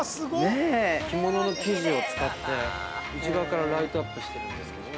着物の生地を使って内側からライトアップしているんですけど。